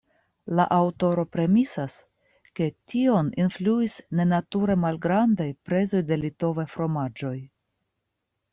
La aŭtoro premisas, ke tion influis nenature malgrandaj prezoj de litovaj fromaĝoj.